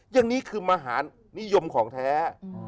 อย่างนี้คือมหานิยมของแท้